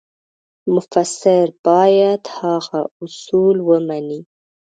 مفسر باید هغه اصول ومني.